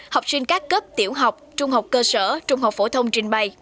học sinh các cấp tiểu học trung học cơ sở trung học phổ thông trình bày